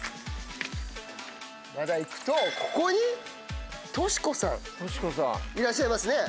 まだいくとここに敏子さんいらっしゃいますね。